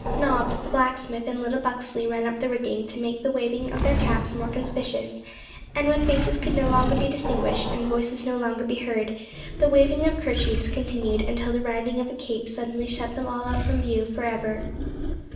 Nobbs, the blacksmith, and little Buxley, ran up the rigging to make the waving of their caps more conspicuous, and when faces could no longer be distinguished and voices no longer be heard, the waving of kerchiefs continued until the rounding of a cape suddenly shut them all out from view for ever.